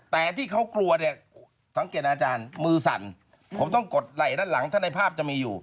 แต่ที่เขากลัวเนี่ยสังเกตอาจารย์มือสั่นผมต้องกดไหล่ด้านหลังถ้าในภาพจะมีอยู่